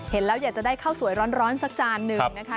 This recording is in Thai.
เห็นแล้วอยากจะได้ข้าวสวยร้อนสักจานหนึ่งนะคะ